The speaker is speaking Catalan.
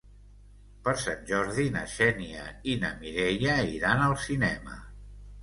Per Sant Jordi na Xènia i na Mireia iran al cinema.